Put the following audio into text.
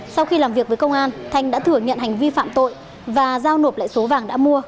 sau khi làm việc với công an thanh đã thử nghiện hành vi phạm tội và giao nộp lại số vàng đã mua